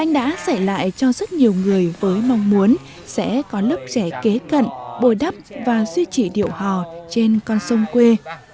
anh đã dạy lại cho rất nhiều người với mong muốn sẽ có lớp trẻ kế cận bồi đắp và duy trì điệu hò trên con sông quê